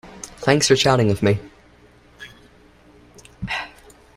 Thanks for chatting with me.